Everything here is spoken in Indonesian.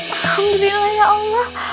alhamdulillah ya allah